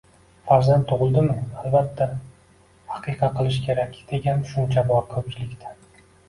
Farzand tug‘ildimi, albatta aqiqa qilish kerak, degan tushuncha bor ko‘pchilikda.